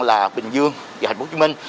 là bình dương và hàn quốc chủ minh